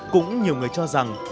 cũng nhiều người cho rằng